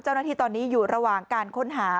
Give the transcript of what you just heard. เจ้าหน้าที่ตอนนี้อยู่ระหว่างการค้นหา